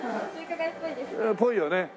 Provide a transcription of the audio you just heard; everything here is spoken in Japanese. っぽいよね。